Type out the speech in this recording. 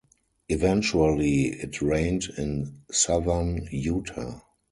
Eventually, it rained in southern Utah.